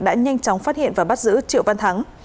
đã nhanh chóng phát hiện và bắt giữ triệu văn thắng